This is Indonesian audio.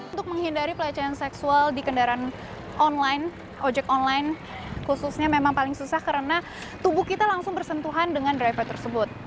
untuk menghindari pelecehan seksual di kendaraan online ojek online khususnya memang paling susah karena tubuh kita langsung bersentuhan dengan driver tersebut